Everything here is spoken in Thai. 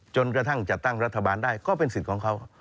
จนกระทั่งจัดตั้งรัฐบาลได้ก็เป็นสิทธิ์ของเขา